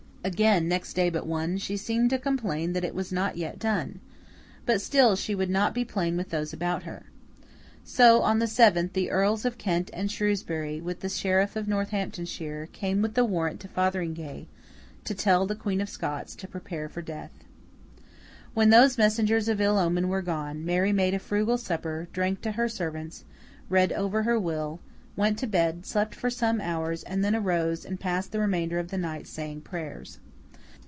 Again, next day but one, she seemed to complain that it was not yet done, but still she would not be plain with those about her. So, on the seventh, the Earls of Kent and Shrewsbury, with the Sheriff of Northamptonshire, came with the warrant to Fotheringay, to tell the Queen of Scots to prepare for death. When those messengers of ill omen were gone, Mary made a frugal supper, drank to her servants, read over her will, went to bed, slept for some hours, and then arose and passed the remainder of the night saying prayers.